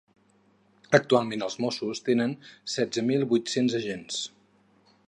Actualment els mossos tenen setze mil vuit-cents agents.